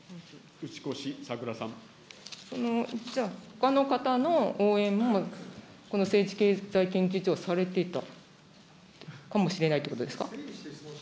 じゃあ、ほかの方の応援も、この政治経済研究所はされていたかもしれないということですか。